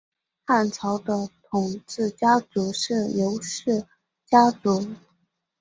汉朝的统治家族是刘氏家族。